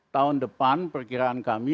tahun depan perkiraan kami